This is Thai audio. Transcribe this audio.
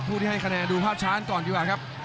ผู้ที่ให้คะแนนดูภาพช้านก่อนดีกว่าครับ